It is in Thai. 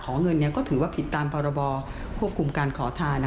เงินก็ถือว่าผิดตามพรบควบคุมการขอทาน